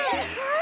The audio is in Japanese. あ。